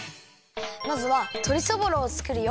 まずはとりそぼろをつくるよ。